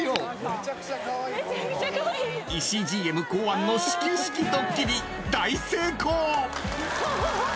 ［石井ＧＭ考案の始球式ドッキリ大成功！］